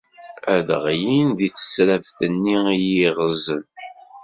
Ad ɣlin di tesraft-nni i iyi-ɣzen.